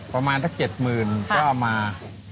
ประมาณสัก๗๐๐๐ก็เอามา